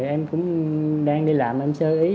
em cũng đang đi làm em sơ ý